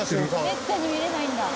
めったに見れないんだ。